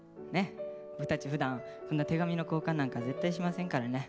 僕たちふだんこんな手紙の交換なんか絶対しませんからね。